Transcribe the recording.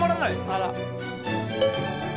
あら。